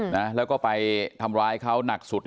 นะแล้วก็ไปทำร้ายเขาหนักสุด